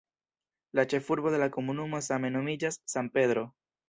La ĉefurbo de la komunumo same nomiĝas "San Pedro".